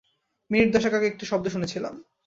Minute দশেক আগে একটা শব্দ শুনেছিলাম।